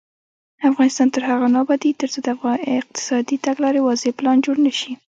افغانستان تر هغو نه ابادیږي، ترڅو د اقتصادي تګلارې واضح پلان جوړ نشي.